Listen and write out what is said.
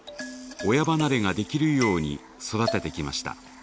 「親離れ」ができるように育ててきました。